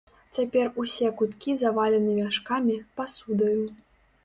Цяпер усе куткі завалены мяшкамі, пасудаю.